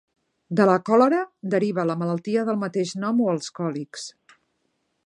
De la còlera deriva la malaltia del mateix nom o els còlics.